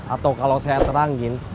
atau kalau saya terangin